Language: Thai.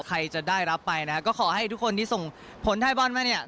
ใครจะได้รับไปก็ขอให้ทุกคนที่ส่งผลไทยบอลมา